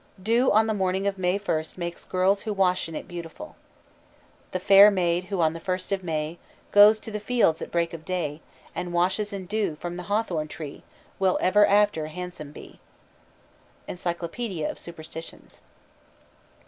Dew on the morning of May first makes girls who wash in it beautiful. "The fair maid who on the first of May Goes to the fields at break of day And washes in dew from the hawthorn tree Will ever after handsome be." _Encyclopedia of Superstitions.